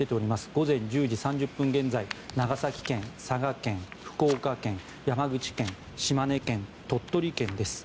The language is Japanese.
午前１０時３０分現在長崎県、佐賀県、福岡県山口県、島根県、鳥取県です。